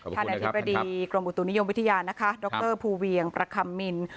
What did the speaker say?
อธิบดีกรมอุตุนิยมวิทยานะคะดรภูเวียงประคัมมิน